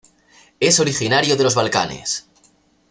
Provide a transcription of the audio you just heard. Es originario de los Balcanes.